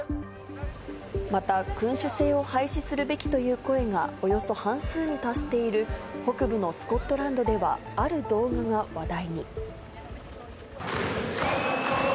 また君主制を廃止するべきという声がおよそ半数に達している北部のスコットランドではある動画が話題に。